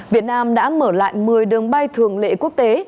việt nam đã mở lại một mươi đường bay thường lệ quốc tế